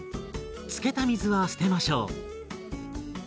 つけた水は捨てましょう。